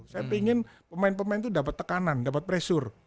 saya ingin pemain pemain itu dapat tekanan dapat pressure